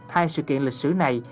hai sự kiện lịch sử này